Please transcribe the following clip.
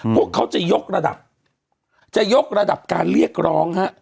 พวกเขาจะยกระดับจะยกระดับการเรียกร้องฮะ